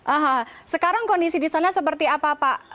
aha sekarang kondisi di sana seperti apa pak